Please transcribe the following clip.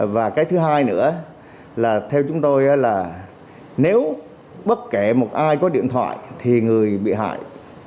và cái thứ hai nữa là theo chúng tôi là nếu bất kể một ai có điện thoại thì người bị hại